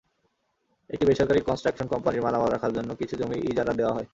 একটি বেসরকারি কনস্ট্রাকশন কোম্পানির মালামাল রাখার জন্য কিছু জমি ইজারা দেওয়া হয়।